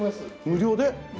無料で？